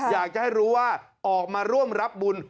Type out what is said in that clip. อยากจะให้รู้ว่าออกมาร่วมรับบุญ